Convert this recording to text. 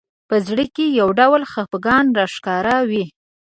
په زړه کې یو ډول خفګان راښکاره وي